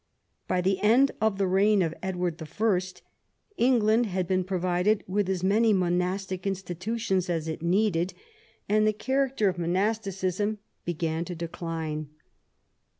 By the end of the reign of Edward I. England had been provided with as many monastic institutions as it needed, and the character of monasticism began to decline.